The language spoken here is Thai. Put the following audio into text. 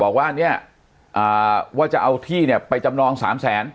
บอกว่าเนี่ยว่าจะเอาที่เนี่ยไปจำนองสามแสน